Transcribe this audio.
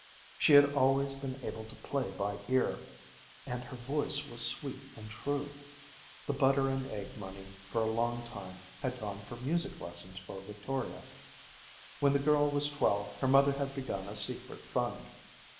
She had always been able to play by ear, and her voice was sweet and true. The butter and egg money for a long time had gone for music lessons for Victoria. When the girl was twelve, her mother had begun a secret fund.